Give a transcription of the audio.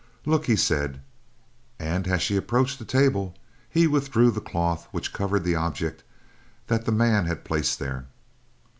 "Look," he said. And as she approached the table he withdrew the cloth which covered the object that the man had placed there.